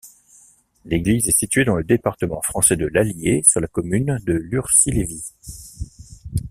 L'église est située dans le département français de l'Allier, sur la commune de Lurcy-Lévis.